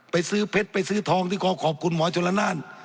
ไปซื้อเพชรไปซื้อทองที่ขอขอบคุณหมอชนละนาน